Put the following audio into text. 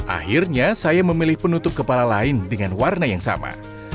akhirnya saya memilih penutup kepala lain dengan warna yang sama